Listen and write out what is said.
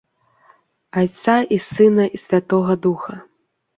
- Айца i сына i святога духа!..